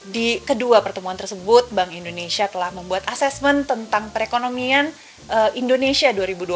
di kedua pertemuan tersebut bank indonesia telah membuat asesmen tentang perekonomian indonesia dua ribu dua puluh tiga